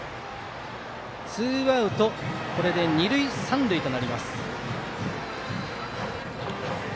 ツーアウト二塁三塁となります。